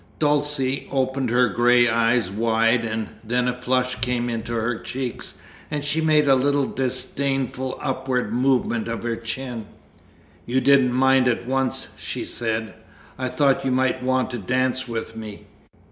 Dulcie opened her grey eyes wide, and then a flush came into her cheeks, and she made a little disdainful upward movement of her chin. "You didn't mind it once," she said. "I thought you might want to dance with me.